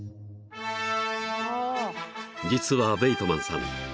［実はベイトマンさん